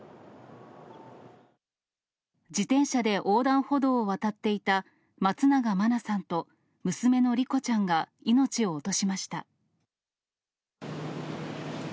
自転車で横断歩道を渡っていた、松永真菜さんと娘の莉子ちゃんが命を落としました。